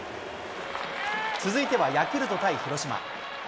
続いてはヤクルト対広島。